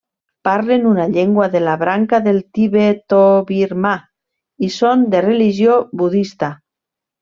Parlen una llengua de la branca del tibetobirmà i són de religió budista.